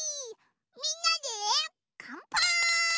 みんなでかんぱーい！